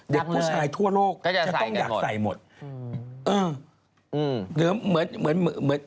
เด็กผู้ชายทั่วโลคจะต้องอยากใส่หมด